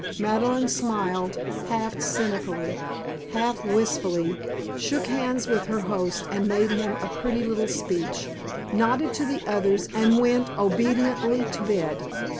Madeleine smiled half cynically, half wistfully, shook hands with her host and made him a pretty little speech, nodded to the others and went obediently to bed.